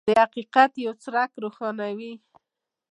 د حقیقت یو څرک روښانوي.